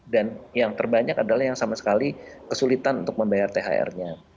dan yang terbanyak adalah yang sama sekali kesulitan untuk membayar thr nya